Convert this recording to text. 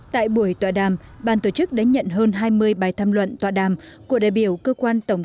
tại buổi tọa đàm ban tổ chức đã nhận hơn hai mươi bài tham luận tọa đàm của đại biểu cơ quan tổng